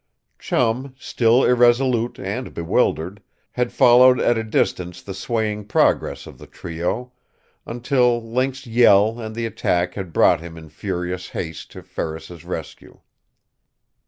Chum, still irresolute and bewildered, had followed at a distance the swaying progress of the trio, until Link's yell and the attack had brought him in furious haste to Ferris's rescue.